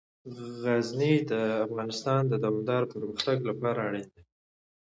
غزني د افغانستان د دوامداره پرمختګ لپاره اړین دي.